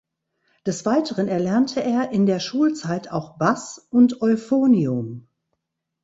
Des Weiteren erlernte er in der Schulzeit auch Bass und Euphonium.